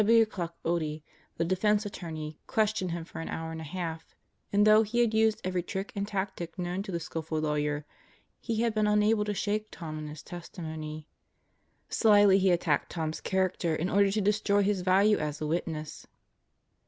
W. Clarke Otte, the defense attor ney, questioned him for an hour and a half, and though he used every trick and tactic known to the skillful lawyer, he had been unable to shake Tom in his testimony. Slyly he attacked Tom's character in order to destroy his value as a witness.